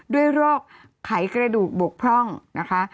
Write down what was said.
ด้วยโรคไขกระดูกบกพร่องนะคะ